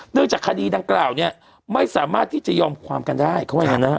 จากคดีดังกล่าวเนี่ยไม่สามารถที่จะยอมความกันได้เขาว่าอย่างนั้นนะฮะ